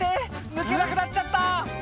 抜けなくなっちゃった！」